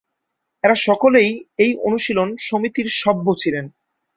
এঁরা সকলেই এই অনুশীলন সমিতির সভ্য ছিলেন।